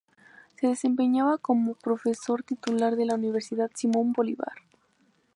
Se desempeñaba como Profesor Titular de la Universidad Simón Bolívar.